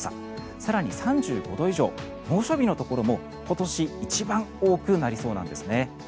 更に、３５度以上猛暑日のところも今年一番多くなりそうなんですね。